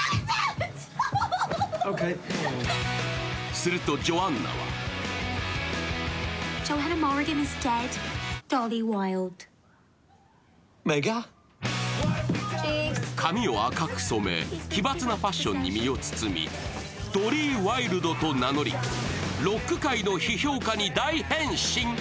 するとジョアンナは髪を赤く染め、奇抜なファッションに身を包み、ドリー・ワイルドと名乗り、ロック界の批評家に大変身。